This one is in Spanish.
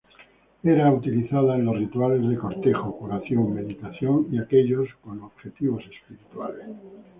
Era utilizada en los rituales de cortejo, curación, meditación y aquellos con objetivos espirituales.